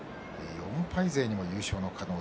４敗勢にも優勝の可能性。